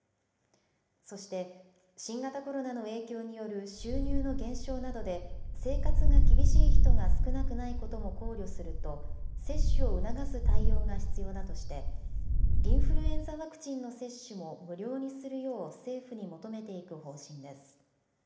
そして、新型コロナの影響による収入の減少などで、生活が厳しい人が少なくないことも考慮すると、接種を促す対応が必要だとして、インフルエンザワクチンの接種も無料にするよう政府に求めていく方針です。